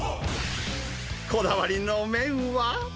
こだわりの麺は。